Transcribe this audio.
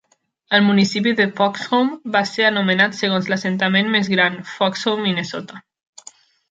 El municipi de Foxhome va ser anomenat segons l'assentament més gran, Foxhome, Minnesota.